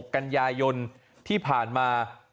๑๖กัญญายนที่ผ่านมา